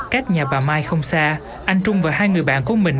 cách nhà bà mai không xa anh trung và hai người bạn của mình